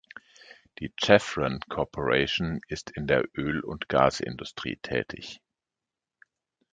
Die Chevron Corporation ist in der Öl- und Gas-Industrie tätig.